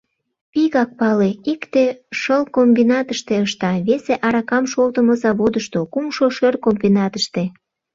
Вигак пале: икте шыл комбинатыште ышта, весе — аракам шолтымо заводышто, кумшо — шӧр комбинатыште.